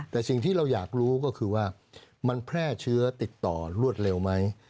แต่สิ่งที่เราอยากรู้ก็คือว่ามันแพร่เชื้อติดต่อรวดเร็วไหม